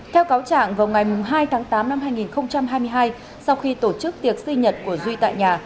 theo cáo trạng vào ngày hai tháng tám năm hai nghìn hai mươi hai sau khi tổ chức tiệc sinh nhật của duy tại nhà